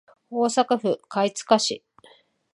大阪府貝塚市